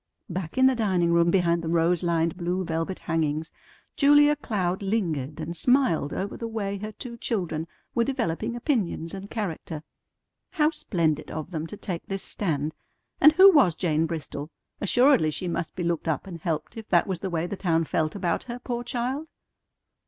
Back in the dining room behind the rose lined blue velvet hangings Julia Cloud lingered and smiled over the way her two children were developing opinions and character. How splendid of them to take this stand! And who was Jane Bristol? Assuredly she must be looked up and helped if that was the way the town felt about her, poor child!